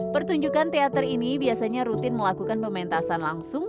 pertunjukan teater ini biasanya rutin melakukan pementasan langsung